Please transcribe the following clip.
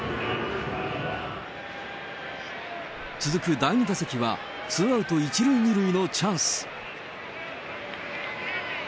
続く第２打席は、ツーアウト１塁２塁のチャンス。